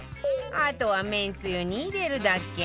あとはめんつゆに入れるだけ